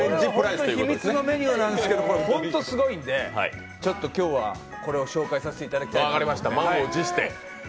これは秘密のメニューなんですけど、ほんとすごいんで、今日はこれを紹介させていただきます、満を持して。